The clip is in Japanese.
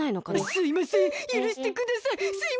すいませんゆるしてください。